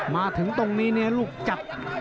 มาถึงตรงนี้เนี่ยลูกจับ